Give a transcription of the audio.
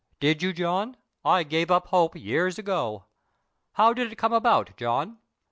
"Did you, John? I gave up hope years ago. How did it come about, John?"